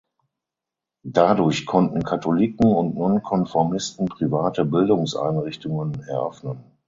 Dadurch konnten Katholiken und Nonkonformisten private Bildungseinrichtungen eröffnen.